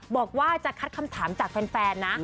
บอกว่าจะคัดคำถามจากแฟนนะ